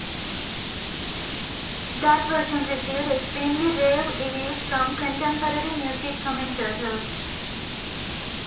That version received extremely rave reviews from contemporary music commentators.